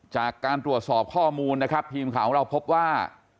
จากการตรวจสอบข้อมูลนะครับทีมข่าวของเราพบว่า